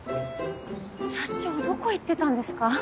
社長どこ行ってたんですか？